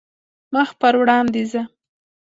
مخ پر وړاندې ځه .